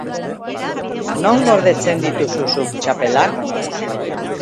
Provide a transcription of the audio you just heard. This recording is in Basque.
Non gordetzen dituzu zuk txapelak?